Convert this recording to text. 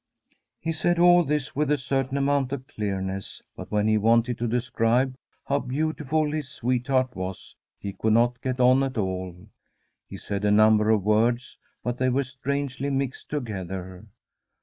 He said all this with a certain amount of clear ness, but when he wanted to describe how beau tiful his sweetheart was he could not get on at all. He said a number of words, but they were strangely mixed together.